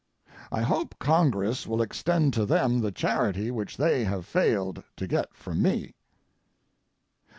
I hope Congress will extend to them the charity which they have failed to get from me.